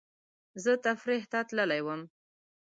زه تفریح ته تللی وم